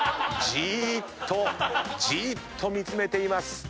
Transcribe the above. じーっと見つめています。